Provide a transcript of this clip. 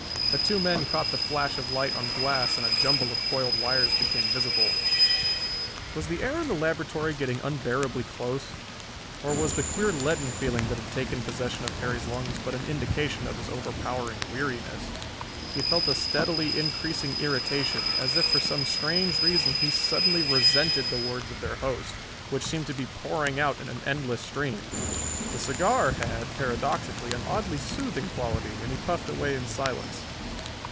The two men caught the flash of light on glass, and a jumble of coiled wires became visible. Was the air in the laboratory getting unbearably close? Or was the queer leaden feeling that had taken possession of Perry's lungs but an indication of his overpowering weariness? He felt a steadily increasing irritation, as if for some strange reason he suddenly resented the words of their host, which seemed to be pouring out in an endless stream. The cigar had, paradoxically, an oddly soothing quality, and he puffed away in silence.